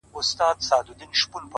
مار ژوندی ورڅخه ولاړی گړندی سو٫